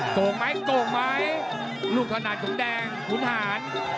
โกงไม้โกงไม้ลูกธนาจของแดงคุณหาน